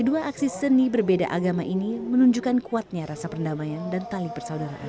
kedua aksi seni berbeda agama ini menunjukkan kuatnya rasa perdamaian dan tali persaudaraan